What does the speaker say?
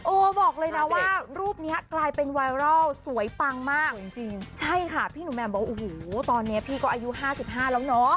บอกเลยนะว่ารูปนี้กลายเป็นไวรัลสวยปังมากจริงใช่ค่ะพี่หนุ่มแหม่มบอกโอ้โหตอนนี้พี่ก็อายุ๕๕แล้วเนอะ